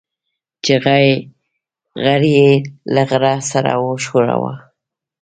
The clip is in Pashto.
چې غر يې له غره سره وښوراوه.